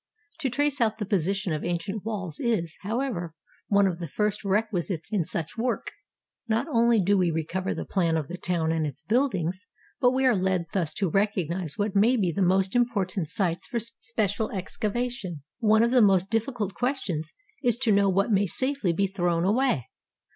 To trace out the position of ancient walls is, however, one of the first requisites in such work; not only do we recover the plan of the town and its buildings, but we are led thus to recognize what may be the most important sites for special excavation. One of the most difficult questions is to know what may safely be thrown away.